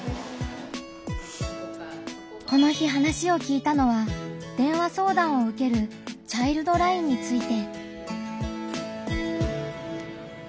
この日話を聞いたのは電話相談を受けるチャイルドラインについて。